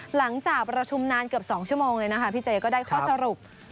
หลังจากประชุมนานเกือบ๒ชั่วโมงเลยนะคะพี่เจก็ได้ข้อสรุป